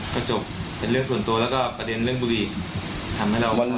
ก็จบเป็นเรื่องส่วนตัวแล้วก็ประเด็นเรื่องบุรีทำให้เราก็